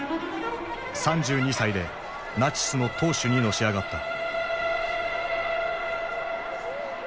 ３２歳でナチスの党首にのし上がった。